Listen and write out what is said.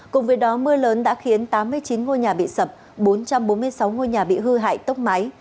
cùng với đó mưa lớn đã khiến tám mươi chín ngôi nhà bị sập bốn trăm bốn mươi sáu ngôi nhà bị hư hại tốc máy